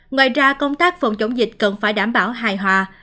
ngoài ra công tác phòng chống dịch cần phải đảm bảo hài hòa